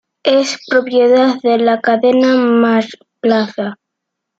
Es propiedad de la cadena Mallplaza.